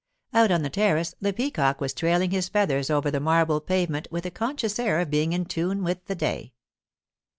Out on the terrace the peacock was trailing his feathers over the marble pavement with a conscious air of being in tune with the day.